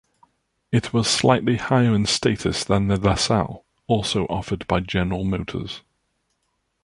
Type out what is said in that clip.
It was slightly higher in status than the LaSalle, also offered by General Motors.